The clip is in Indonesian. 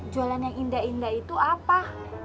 jualan yang indah indah itu apa